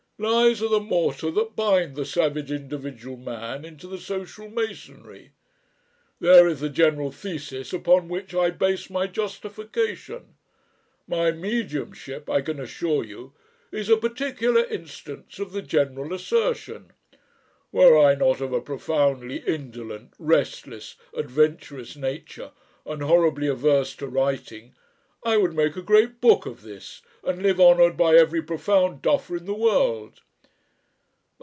Lies are the mortar that bind the savage Individual man into the social masonry. There is the general thesis upon which I base my justification. My mediumship, I can assure you, is a particular instance of the general assertion. Were I not of a profoundly indolent, restless, adventurous nature, and horribly averse to writing, I would make a great book of this and live honoured by every profound duffer in the world."